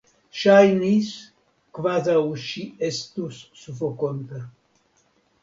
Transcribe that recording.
Ŝajnis, kvazaŭ ŝi estus sufokonta.